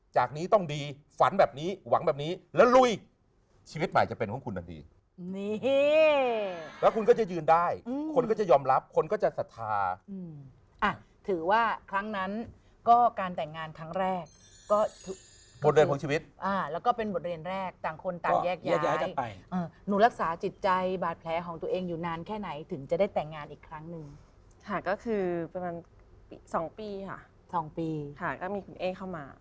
จากนี้ต้องดีฝันแบบนี้หวังแบบนี้แล้วลุยชีวิตใหม่จะเป็นของคุณดังนี้แล้วคุณก็จะยืนได้คนก็จะยอมรับคนก็จะศรัทธาถือว่าครั้งนั้นก็การแต่งงานครั้งแรกก็บทเรียนของชีวิตแล้วก็เป็นบทเรียนแรกต่างคนตามแยกย้ายไปหนูรักษาจิตใจบาดแผลของตัวเองอยู่นานแค่ไหนถึงจะได้แต่งงานอีกครั้งหนึ่งค่ะ